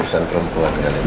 posisi perempuan kali wk